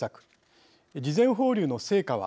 事前放流の成果は。